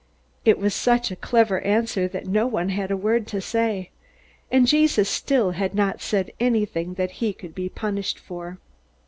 It was such a clever answer that no one had a word to say. And Jesus still had not said anything that he could be punished for.